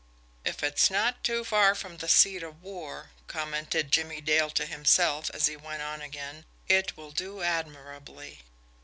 "If it's not too far from the seat of war," commented Jimmie Dale to himself, as he went on again, "it will do admirably."